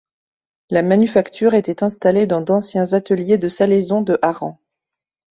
La manufacture était installée dans d'anciens ateliers de salaison de harengs.